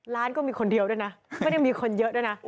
ร้านก็มีคนเดียวด้วยนะไม่ได้มีคนเยอะด้วยนะ